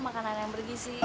makanan yang bergizi